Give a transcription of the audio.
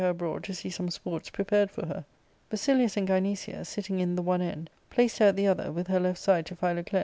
—Book IL 135 abroad to see some sports prepared for her. Basilius and Gynecia, sitting in the one end, placed her at the other, with her left side to Philoclea.